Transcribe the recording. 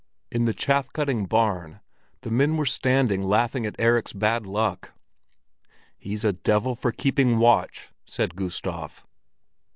In the chaff cutting barn the men were standing laughing at Erik's bad luck. "He's a devil for keeping watch!" said Gustav.